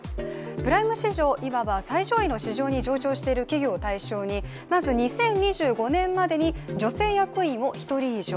プライム市場、いわば最上位の市場に上場している企業を対象にまず２０２５年までに女性役員を１人以上。